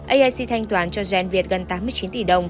aic thanh toán cho gen việt gần tám mươi chín tỷ đồng